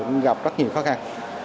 cũng gặp rất nhiều khó khăn